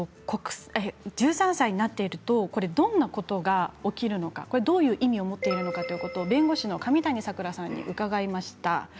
１３歳になっているとどんなことが起きるのかどういう意味を持っているのかということを弁護士の上谷さくらさんに伺いました。